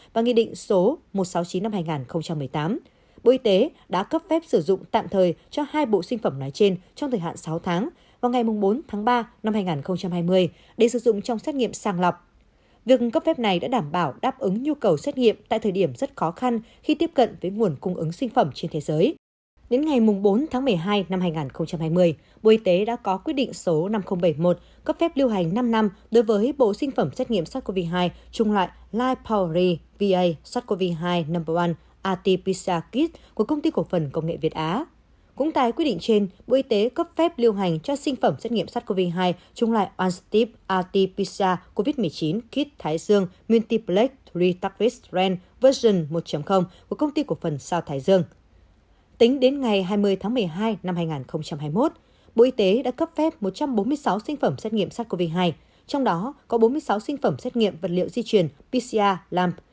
bộ y tế đã cấp phép một trăm bốn mươi sáu sinh phẩm xét nghiệm sars cov hai trong đó có bốn mươi sáu sinh phẩm xét nghiệm vật liệu di truyền pcr lamp